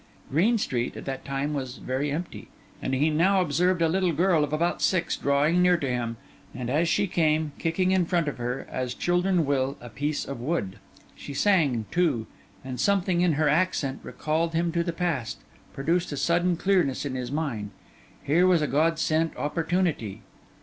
Green Street, at that time, was very empty; and he now observed a little girl of about six drawing near to him, and as she came, kicking in front of her, as children will, a piece of wood. She sang, too; and something in her accent recalling him to the past, produced a sudden clearness in his mind. Here was a God sent opportunity!